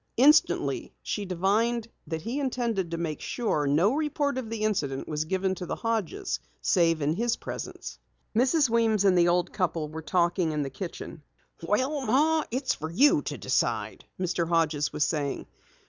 Instantly she divined that he intended to make sure no report of the incident was given to the Hodges, save in his presence. Mrs. Weems and the old couple were talking in the kitchen. "Well, Ma, it's for you to decide," Mr. Hodges was saying.